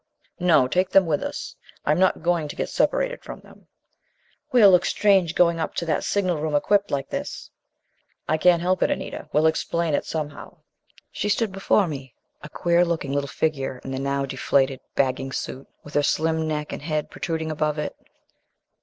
"No, take them with us. I'm not going to get separated from them!" "We'll look strange going up to that signal room equipped like this." "I can't help it, Anita. We'll explain it, somehow." She stood before me, a queer looking little figure in the now deflated, bagging suit with her slim neck and head protruding above it.